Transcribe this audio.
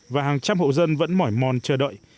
và hàng trăm hộ dân vẫn mỏi mòn chờ đợi